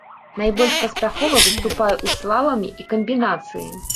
Найбольш паспяхова выступае ў слаламе і камбінацыі.